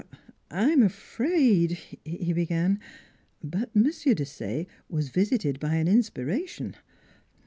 " I'm afraid " he began. But M. Desaye was yisited by an inspiration.